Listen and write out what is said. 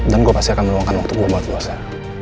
dan gue pasti akan meluangkan waktu gue buat luasa